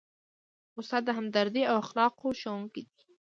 استاد د همدردۍ او اخلاقو ښوونکی دی.